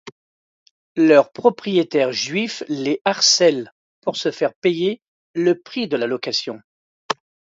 Leur propriétaire juif les harcèle pour se faire payer le prix de la location.